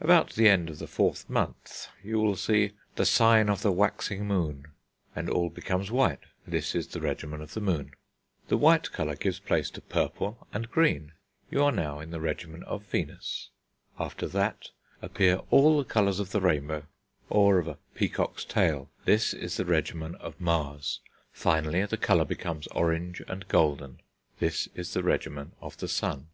About the end of the fourth month you will see "the sign of the waxing moon," and all becomes white; this is the regimen of the Moon. The white colour gives place to purple and green; you are now in the regimen of Venus. After that, appear all the colours of the rainbow, or of a peacock's tail; this is the regimen of Mars. Finally the colour becomes orange and golden; this is the regimen of the Sun.